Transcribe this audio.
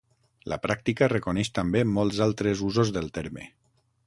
La pràctica reconeix també molts altres usos del terme.